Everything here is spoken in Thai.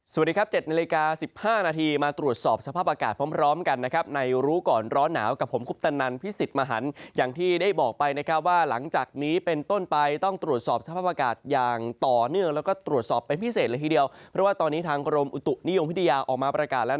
สวัสดีครับ๗นาฬิกา๑๕นาทีมาตรวจสอบสภาพอากาศพร้อมกันนะครับในรู้ก่อนร้อนหนาวกับผมคุปตนันพิสิทธิ์มหันอย่างที่ได้บอกไปนะครับว่าหลังจากนี้เป็นต้นไปต้องตรวจสอบสภาพอากาศอย่างต่อเนื่องแล้วก็ตรวจสอบเป็นพิเศษเลยทีเดียวเพราะว่าตอนนี้ทางกรมอุตุนิยมวิทยาออกมาประกาศแล้ว